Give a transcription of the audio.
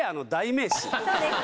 そうです